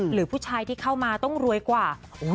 หรือผู้ชายที่เข้ามาต้องรวยกว่า